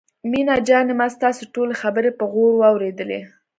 مينه جانې ما ستاسو ټولې خبرې په غور واورېدلې.